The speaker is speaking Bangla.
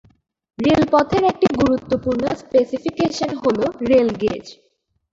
রেলপথের একটি গুরুত্বপূর্ণ স্পেসিফিকেশন হল রেল গেজ।